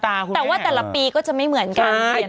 แต่ว่าแต่ละปีก็จะไม่เหมือนกัน